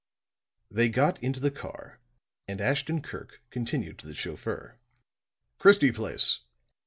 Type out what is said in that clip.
They got into the car, and Ashton Kirk continued to the chauffeur: "Christie Place."